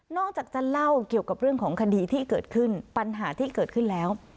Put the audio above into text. อกจากจะเล่าเกี่ยวกับเรื่องของคดีที่เกิดขึ้นปัญหาที่เกิดขึ้นแล้ว